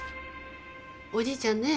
おじいちゃんね